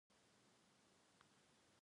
بلکې ورڅخه تېر دي شي.